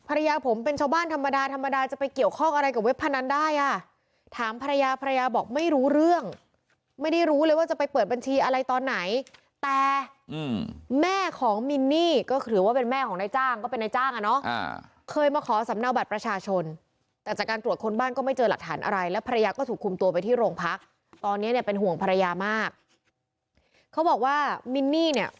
เราไปเอาเรื่องไม่ได้รู้เลยว่าจะไปเปิดบัญชีอะไรตอนไหนแต่แม่ของมินนี่ก็คือว่าเป็นแม่ของนายจ้างก็เป็นนายจ้างอะเนอะเคยมาขอสำเนาบัตรประชาชนแต่จากการตรวจคนบ้านก็ไม่เจอหลักฐาน